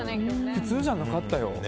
普通じゃなかったよ。